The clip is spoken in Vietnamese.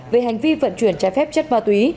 về hành vi vận chuyển trái phép chất ma túy